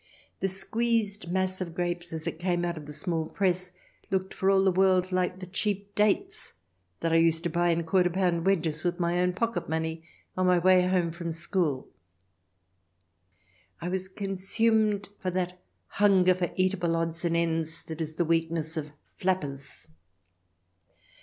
The squeezed mass of grapes as it came out of the small press looked for all the world like the cheap dates that I used to buy in quarter pound wedges with my own pocket money on my way home from school. I was con sumed for that hunger for eatable odds and ends that is the weakness of " flappers."